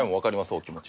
お気持ち。